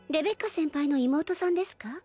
先輩の妹さんですか？